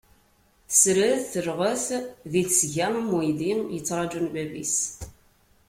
Tesred, telɣet di tesga am uydi yettrajun bab-is.